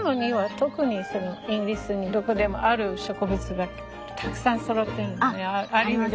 特にイギリスにどこでもある植物がたくさんそろってるのね。